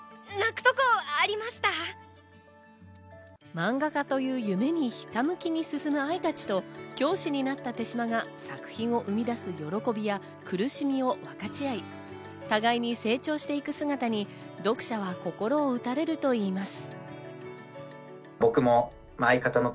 マンガ家という夢にひたむきに進む相たちと教師になった手島が作品を生み出す喜びや苦しみを分かち合い、互いに成長していく姿に読者は心を打たれるといいます。